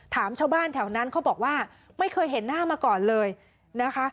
ถามชาวบ้านแถวนั้นเขาบอกว่าไม่เคยเห็นหน้ามาก่อนเลยนะคะ